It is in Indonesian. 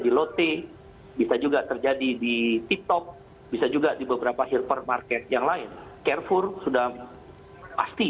di lote bisa juga terjadi di tiktok bisa juga di beberapa herper market yang lain carefour sudah pasti